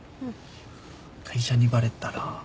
会社にバレたら。